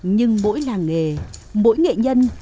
nhưng mỗi làng nghề mỗi nghệ nhân